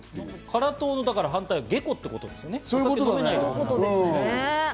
辛党の反対は下戸ってことですね。